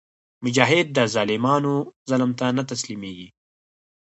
مجاهد د ظالمانو ظلم ته نه تسلیمیږي.